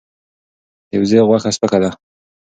د وزې غوښه سپکه ده.